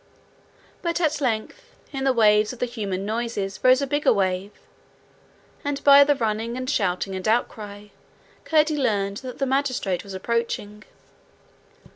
But at length, in the waves of the human noises rose a bigger wave, and by the running and shouting and outcry, Curdie learned that the magistrate was approaching.